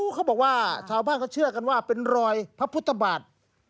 เขาบอกว่าชาวบ้านเขาเชื่อกันว่าเป็นรอยพระพุทธบาท